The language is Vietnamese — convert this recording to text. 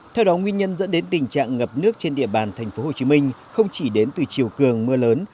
theo đó nguyên nhân dẫn đến tình trạng ngập nước trên địa bàn tp hcm không chỉ đến từ chiều cường mưa lớn